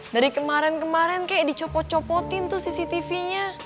dari kemarin kemarin kayak dicopot copotin tuh cctv nya